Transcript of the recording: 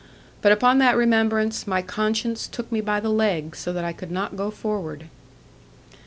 But upon that remembrance, my conscience took me by the leg, so that I could not go forward.